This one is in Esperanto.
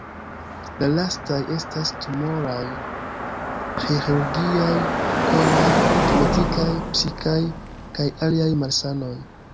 La lastaj estas tumoraj, ĥirurgiaj, koraj, genetikaj, psikaj kaj aliaj malsanoj.